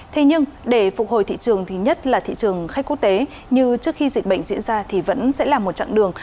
thế nhưng để phục hồi thị trường thì nhất là thị trường khách quốc tế như trước khi dịch bệnh diễn ra thì vẫn sẽ là một chặng đường